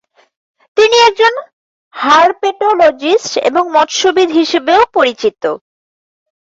তিনি একজন হারপেটোলজিস্ট এবং মৎস্যবিদ হিসেবেও পরিচিত।